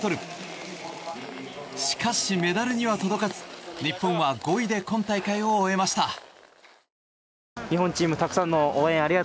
しかし、メダルには届かず日本は５位で今大会を終えました。